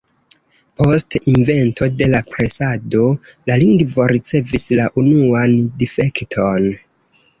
Post invento de la presado la lingvo ricevis la unuan difekton.